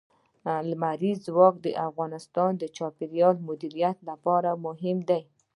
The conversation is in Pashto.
لمریز ځواک د افغانستان د چاپیریال د مدیریت لپاره مهم دي.